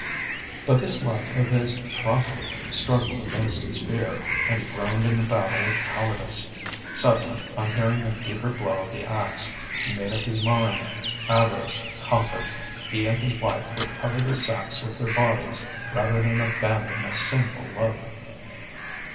But this love of his property struggled against his fear, and he groaned in the battle with cowardice. Suddenly, on hearing a deeper blow of the axe, he made up his mind. Avarice conquered; he and his wife would cover the sacks with their bodies rather than abandon a single loaf.